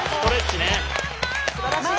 すばらしい。